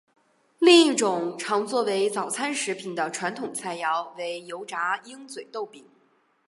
另一种常作为早餐食品的传统菜肴为油炸鹰嘴豆饼。